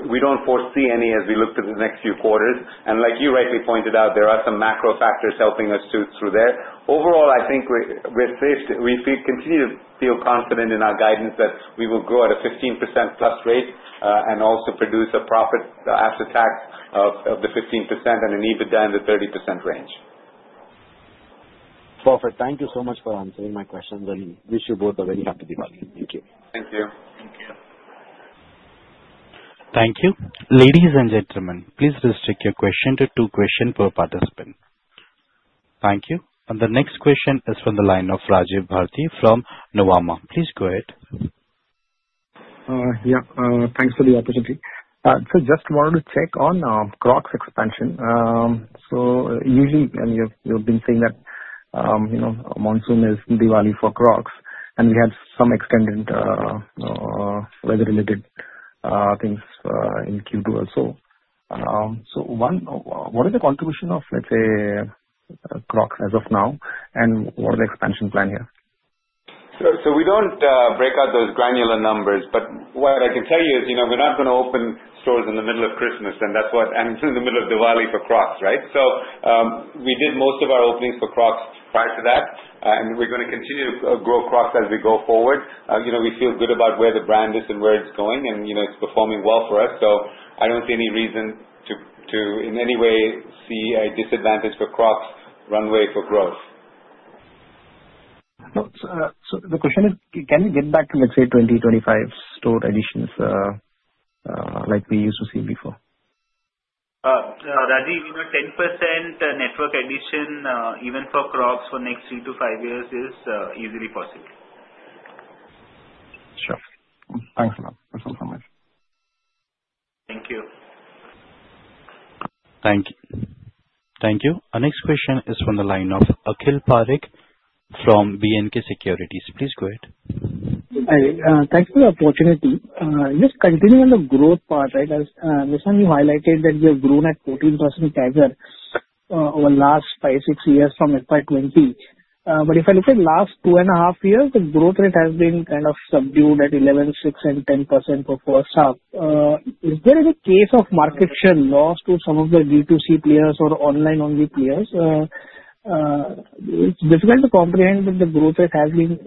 Speaker 3: we don't foresee any as we look to the next few quarters.
Speaker 5: Like you rightly pointed out, there are some macro factors helping us through there. Overall, I think we continue to feel confident in our guidance that we will grow at a 15%+ rate and also produce a profit after tax of 15% and an EBITDA in the 30% range.
Speaker 11: Perfect. Thank you so much for answering my questions, wish you both a very happy Diwali. Thank you.
Speaker 5: Thank you.
Speaker 1: Thank you. Ladies and gentlemen, please restrict your question to two questions per participant. Thank you. The next question is from the line of Rajiv Bharati from Nuvama. Please go ahead.
Speaker 12: Yeah. Thanks for the opportunity. Just wanted to check on Crocs expansion. Usually, and you've been saying that monsoon is Diwali for Crocs, and we had some extended weather-related things in Q2 as well. What is the contribution of, let's say, Crocs as of now, and what is the expansion plan here?
Speaker 3: We don't break out those granular numbers, but what I can tell you is we're not going to open stores in the middle of Christmas, and in the middle of Diwali for Crocs, right? We did most of our openings for Crocs prior to that, and we're going to continue to grow Crocs as we go forward. We feel good about where the brand is and where it's going, and it's performing well for us, so I don't see any reason to, in any way, see a disadvantage for Crocs' runway for growth.
Speaker 12: The question is, can we get back to, let's say, 20, 25 store additions like we used to see before?
Speaker 5: Rajiv, we know 10% network addition even for Crocs for the next three to five years is easily possible.
Speaker 12: Sure. Thanks a lot. That's all from my side.
Speaker 5: Thank you.
Speaker 1: Thank you. Our next question is from the line of Akhil Parekh from BNK Securities. Please go ahead.
Speaker 13: Hi. Thanks for the opportunity. Just continuing on the growth part, right, as, Nissan, you highlighted that you have grown at 14% CAGR over the last five, six years from FY 2020. If I look at the last two and a half years, the growth rate has been kind of subdued at 11, 6, and 10% for first half. Is there any case of market share loss to some of the D2C players or online-only players? It's difficult to comprehend that the growth rate has been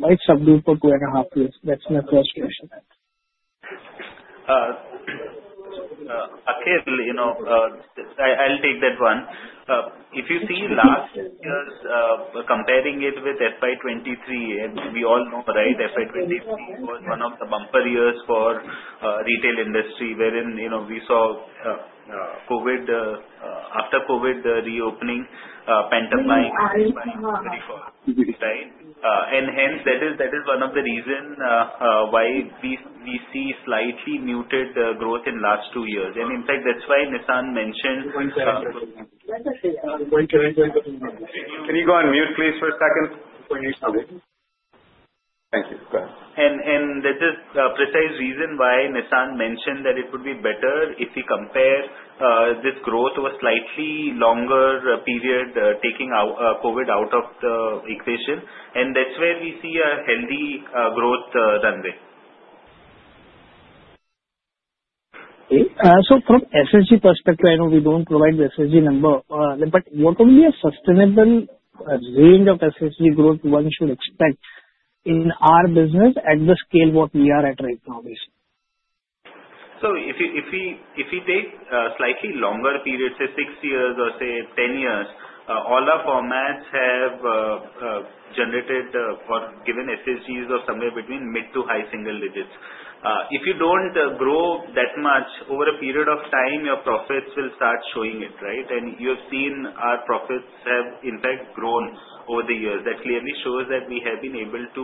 Speaker 13: quite subdued for two and a half years. That's my first question.
Speaker 5: Akhil, I'll take that one. If you see last years, comparing it with FY 2023, we all know, right, FY 2023 was one of the bumper years for retail industry, wherein we saw after COVID, the reopening pent-up buying demand. Right? Hence, that is one of the reasons why we see slightly muted growth in the last two years. In fact, that's why Nissan mentioned.
Speaker 3: Can you go on mute, please, for a second?
Speaker 13: Sure.
Speaker 3: Thank you. Go ahead.
Speaker 5: That is the precise reason why Nissan mentioned that it would be better if we compare this growth over a slightly longer period, taking COVID out of the equation. That's where we see a healthy growth runway.
Speaker 13: From SSG perspective, I know we don't provide the SSG number, but what will be a sustainable range of SSG growth one should expect in our business at the scale what we are at right now, basically?
Speaker 5: If we take a slightly longer period, say, six years or, say, 10 years, all our formats have generated for given SSGs of somewhere between mid to high single digits. If you don't grow that much over a period of time, your profits will start showing it, right? You have seen our profits have, in fact, grown over the years. That clearly shows that we have been able to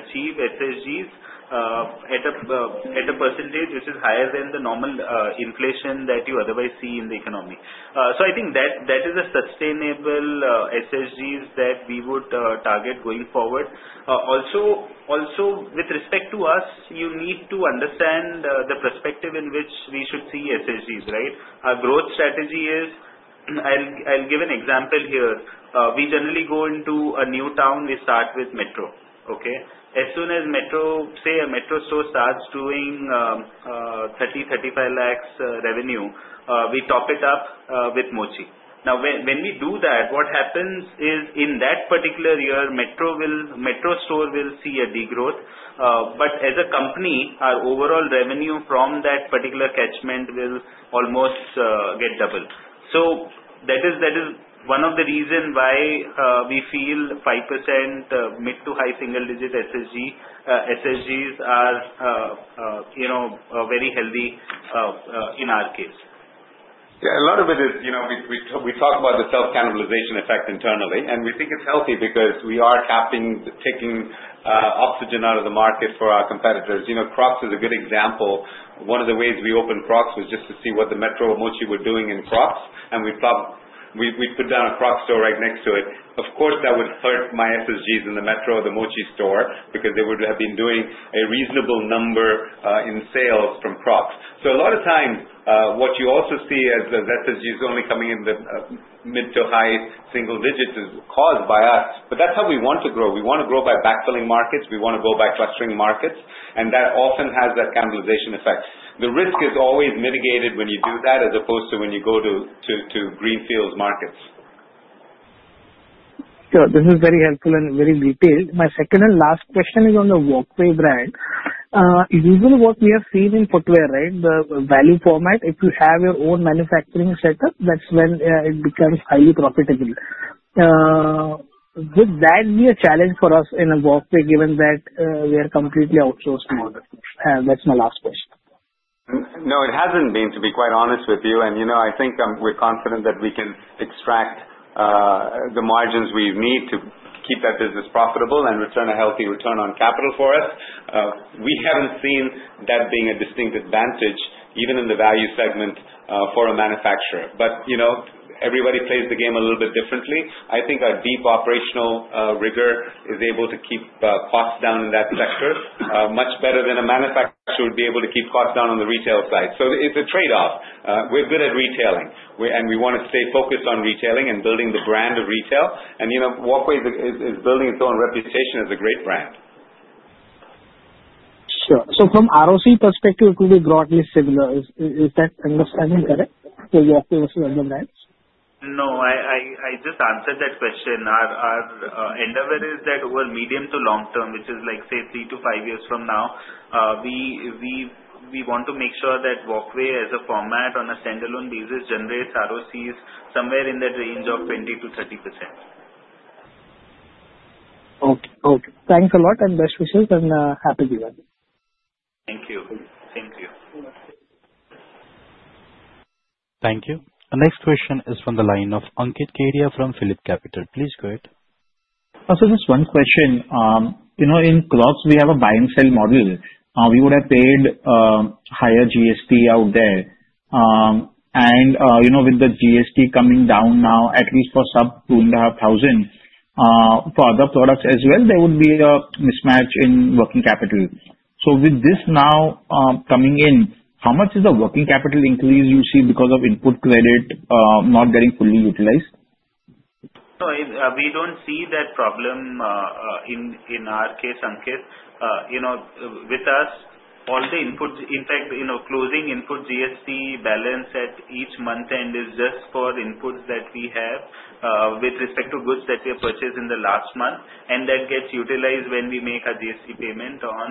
Speaker 5: achieve SSGs at a percentage which is higher than the normal inflation that you otherwise see in the economy. I think that is a sustainable SSGs that we would target going forward. Also, with respect to us, you need to understand the perspective in which we should see SSGs, right? Our growth strategy is I'll give an example here. We generally go into a new town, we start with Metro. Okay? As soon as, say, a Metro store starts doing 30 lakhs, 35 lakhs revenue, we top it up with Mochi. When we do that, what happens is in that particular year, Metro store will see a degrowth. As a company, our overall revenue from that particular catchment will almost get doubled. That is one of the reasons why we feel 5% mid to high single-digit SSGs are very healthy in our case.
Speaker 3: A lot of it is, we talk about the self-cannibalization effect internally, and we think it's healthy because we are tapping, taking oxygen out of the market for our competitors. Crocs is a good example. One of the ways we opened Crocs was just to see what the Metro or Mochi were doing in Crocs, and we put down a Crocs store right next to it. Of course, that would hurt my SSGs in the Metro or the Mochi store because they would have been doing a reasonable number in sales from Crocs. A lot of times, what you also see as the SSGs only coming in the mid to high single digits is caused by us, but that's how we want to grow. We want to grow by backfilling markets. We want to grow by clustering markets. That often has that cannibalization effect. The risk is always mitigated when you do that, as opposed to when you go to greenfield markets.
Speaker 13: Sure. This is very helpful and very detailed. My second and last question is on the Walkway brand. Usually what we have seen in footwear, right, the value format, if you have your own manufacturing setup, that's when it becomes highly profitable. Would that be a challenge for us in Walkway, given that we are completely outsourced model? That's my last question.
Speaker 3: No, it hasn't been, to be quite honest with you. I think we're confident that we can extract the margins we need to keep that business profitable and return a healthy return on capital for us. We haven't seen that being a distinct advantage, even in the value segment, for a manufacturer. Everybody plays the game a little bit differently. I think our deep operational rigor is able to keep costs down in that sector much better than a manufacturer would be able to keep costs down on the retail side. It's a trade-off. We're good at retailing, and we want to stay focused on retailing and building the brand of retail. Walkway is building its own reputation as a great brand.
Speaker 13: Sure. From ROC perspective, it will be broadly similar. Is that understanding correct? You are focusing on the brands.
Speaker 5: No, I just answered that question. Our endeavor is that over medium to long term, which is say 3 to 5 years from now, we want to make sure that Walkway, as a format on a standalone basis, generates ROCs somewhere in that range of 20%-30%.
Speaker 13: Okay. Thanks a lot and best wishes and happy Diwali.
Speaker 5: Thank you.
Speaker 1: Thank you. The next question is from the line of Ankit Kedia from PhillipCapital. Please go ahead.
Speaker 9: Just one question. In Clarks we have a buy and sell model. We would have paid higher GST out there. With the GST coming down now, at least for sub 2,500, for other products as well, there would be a mismatch in working capital. With this now coming in, how much is the working capital increase you see because of input credit not getting fully utilized?
Speaker 5: No, we don't see that problem in our case, Ankit. With us, all the inputs, in fact, closing input GST balance at each month-end is just for the inputs that we have with respect to goods that we have purchased in the last month, and that gets utilized when we make our GST payment on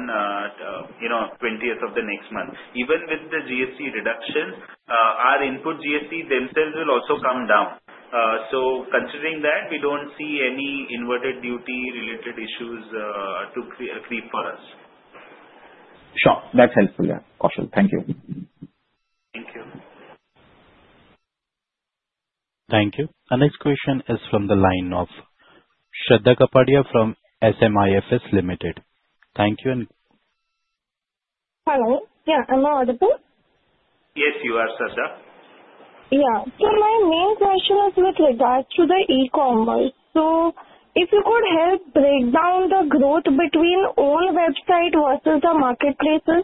Speaker 5: 20th of the next month. Even with the GST reductions, our input GST themselves will also come down. Considering that, we don't see any inverted duty-related issues creep for us.
Speaker 9: Sure. That's helpful, yeah. Kaushal, thank you.
Speaker 5: Thank you.
Speaker 1: Thank you. Our next question is from the line of Shraddha Kapadia from SMIFS Limited. Thank you.
Speaker 14: Hello. Yeah, am I audible?
Speaker 5: Yes, you are, Shraddha.
Speaker 14: Yeah. My main question is with regards to the e-commerce. If you could help break down the growth between own website versus the marketplaces.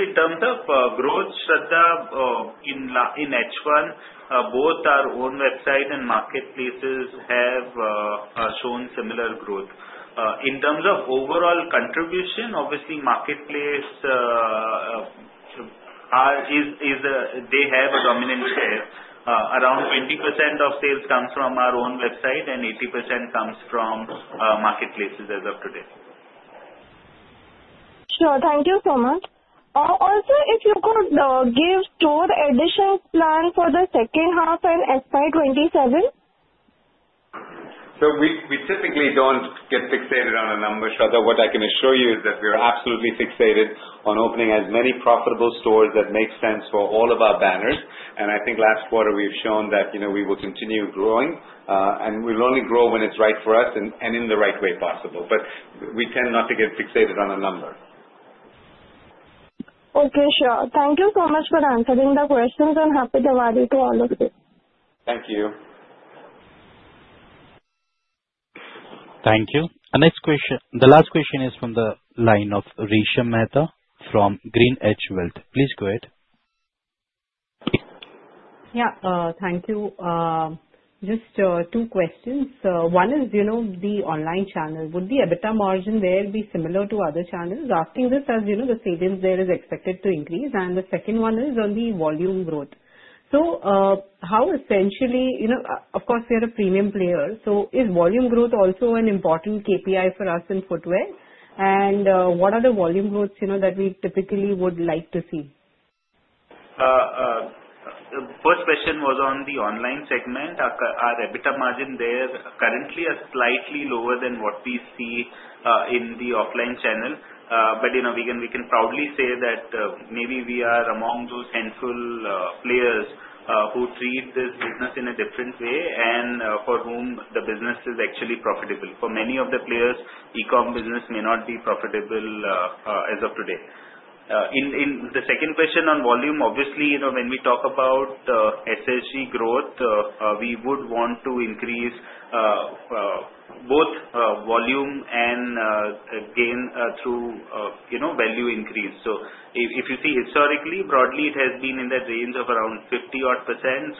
Speaker 5: In terms of growth, Shraddha, in H1, both our own website and marketplaces have shown similar growth. In terms of overall contribution, obviously marketplace, they have a dominant share. Around 20% of sales comes from our own website and 80% comes from marketplaces as of today.
Speaker 14: Sure. Thank you so much. If you could give store additions plan for the second half and FY 2027.
Speaker 3: We typically don't get fixated on a number, Shraddha. What I can assure you is that we're absolutely fixated on opening as many profitable stores that make sense for all of our banners. I think last quarter we've shown that we will continue growing, and we'll only grow when it's right for us and in the right way possible. We tend not to get fixated on a number.
Speaker 14: Sure. Thank you so much for answering the questions, and Happy Diwali to all of you.
Speaker 5: Thank you.
Speaker 1: Thank you. The last question is from the line of Resha Mehta from GreenEdge Wealth. Please go ahead.
Speaker 15: Thank you. Just two questions. One is the online channel. Would the EBITDA margin there be similar to other channels? Asking this as the cadence there is expected to increase. The second one is on the volume growth. How essentially Of course, we are a premium player, so is volume growth also an important KPI for us in footwear? And what are the volume growths that we typically would like to see?
Speaker 5: First question was on the online segment. Our EBITDA margin there currently is slightly lower than what we see in the offline channel. We can proudly say that maybe we are among those handful players who treat this business in a different way and for whom the business is actually profitable. For many of the players, e-com business may not be profitable as of today. In the second question on volume, obviously, when we talk about SSG growth, we would want to increase both volume and gain through value increase. If you see historically, broadly, it has been in that range of around 50 odd percent.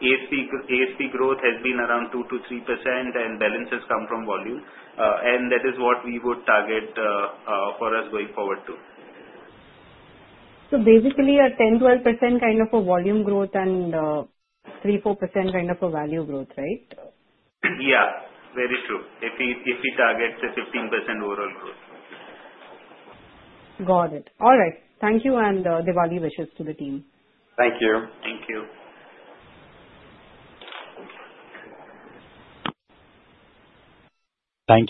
Speaker 5: ASP growth has been around 2%-3%, balance has come from volume. That is what we would target for us going forward, too.
Speaker 15: Basically a 10%-12% kind of a volume growth and 3%-4% kind of a value growth, right?
Speaker 5: Yeah. Very true. If we target a 15% overall growth.
Speaker 15: Got it. All right. Thank you, and Diwali wishes to the team.
Speaker 5: Thank you.
Speaker 1: Thank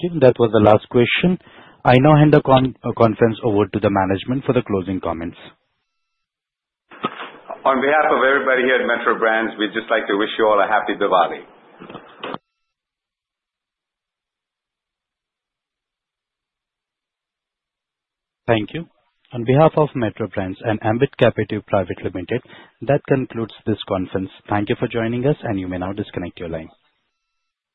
Speaker 1: you. That was the last question. I now hand the conference over to the management for the closing comments.
Speaker 3: On behalf of everybody here at Metro Brands, we'd just like to wish you all a happy Diwali.
Speaker 1: Thank you. On behalf of Metro Brands and Ambit Capital Private Limited, that concludes this conference. Thank you for joining us, and you may now disconnect your line.